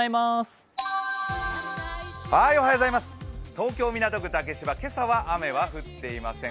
東京・港区竹芝、今朝は雨は降っていません。